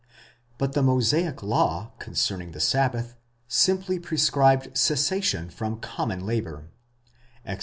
But the Mosaic law concerning the sabbath simply prescribed cessation from common labour, nando (Exod.